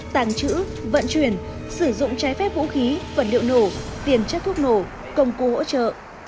tàng trữ vận chuyển sử dụng trái phép vũ khí vật liệu nổ tiền chất thuốc nổ công cụ hỗ trợ